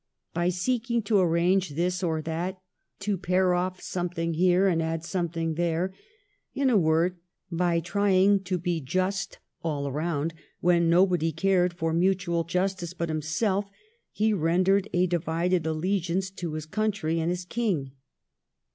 By seeking to arrange this or that, to pare off something here and add something there — in a word, by trying to be just all round, when nobody cared for mutual justice but him self, he rendered a divided allegiance to his coun try and his King.